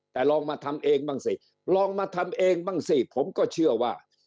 แต่ลองมาทำเองบ้างสิลองมาทำเองบ้างสิผมก็เชื่อว่า